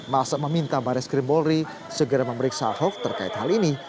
masa meminta baris krim polri segera memeriksa ahok terkait hal ini